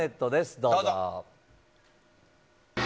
どうぞ。